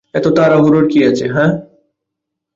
এত তাড়াহুড়োর কি আছে, হাহ?